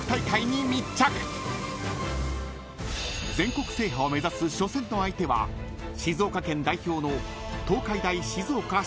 ［全国制覇を目指す初戦の相手は静岡県代表の］